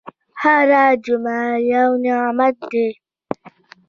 هره جمعه یو نعمت ده.